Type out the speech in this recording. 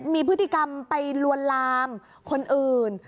มีพฤติกรรมไปลวนลามคนอื่น